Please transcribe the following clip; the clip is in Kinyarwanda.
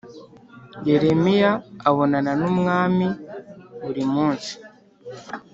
Yeremiya abonana n ‘umwami burimunsi.